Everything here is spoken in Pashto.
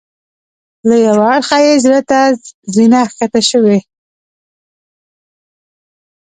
له یوه اړخه یې زړه ته زینه ښکته شوې.